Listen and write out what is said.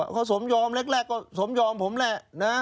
เขาสมยอมแรกก็สมยอมผมแหละนะ